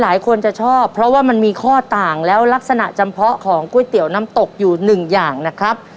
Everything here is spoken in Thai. หลายคนจะชอบเพราะว่ามันมีข้อต่างแล้วลักษณะจำเพาะของก๋วยเตี๋ยวน้ำตกอยู่หนึ่งอย่างนะครับ